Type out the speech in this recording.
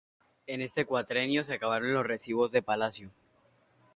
En este cuatrienio se acabaron los Recibos de Palacio.